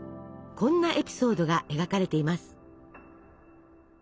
こんなエピソードが描かれています。